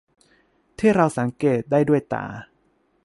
ที่เราสังเกตได้ด้วยตา